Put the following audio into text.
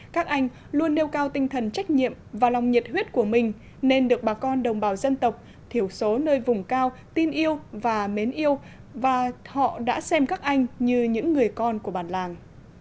các anh luôn nêu cao tinh thần trách nhiệm và lòng nhiệt huyết của mình nên được bà con đồng bào dân tộc thiểu số nơi vùng cao tin yêu và mến yêu và họ đã xem các anh như những người con của bản làng